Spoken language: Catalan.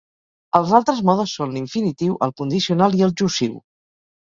Els altres modes són l'infinitiu, el condicional i el jussiu.